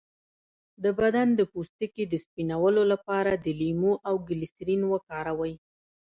د بدن د پوستکي د سپینولو لپاره د لیمو او ګلسرین وکاروئ